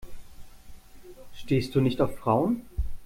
Stehst du nicht auf Frauen?